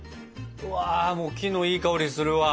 うわもう木のいい香りするわ！